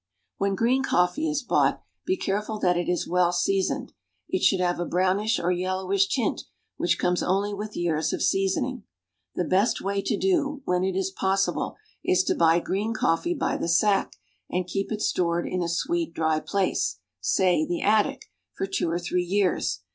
When green coffee is bought, be careful that it is well seasoned. It should have a brownish or yellowish tint, which comes only with years of seasoning. The best way to do, when it is possible, is to buy green coffee by the sack, and keep it stored in a sweet, dry place say the attic for two or three years.